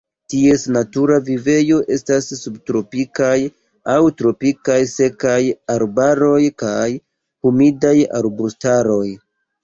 Ties natura vivejo estas subtropikaj aŭ tropikaj sekaj arbaroj kaj humidaj arbustaroj.